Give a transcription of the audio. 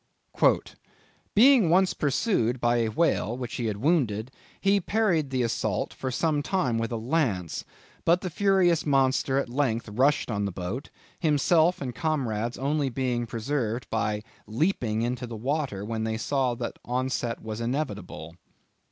Being once pursued by a whale which he had wounded, he parried the assault for some time with a lance; but the furious monster at length rushed on the boat; himself and comrades only being preserved by leaping into the water when they saw the onset was inevitable."